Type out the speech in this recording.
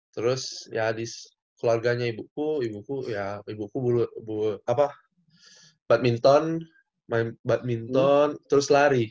terus ya di keluarganya ibuku ibuku ya ibuku badminton main badminton terus lari